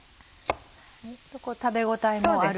食べ応えもある。